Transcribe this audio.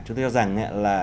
chúng tôi cho rằng